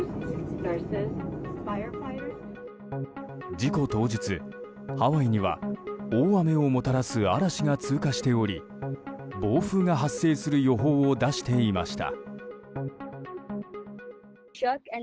事故当日、ハワイには大雨をもたらす嵐が通過しており暴風が発生する予報を出していました。